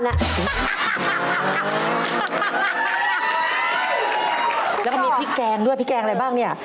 แล้วก็มีพริกแกงด้วยพริกแกงอะไรบ้างเนี่ย